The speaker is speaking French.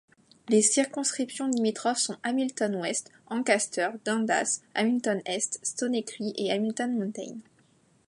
Les circonscriptions limitrophes sont Hamilton-Ouest—Ancaster—Dundas, Hamilton-Est—Stoney Creek et Hamilton Mountain.